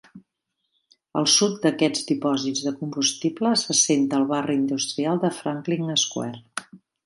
Al sud d'aquests dipòsits de combustible s'assenta el barri industrial de Franklin Square.